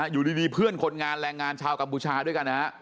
อยู่ดีเพื่อนคนงานแรงงานชาวกัมพูชาด้วยกันนะฮะ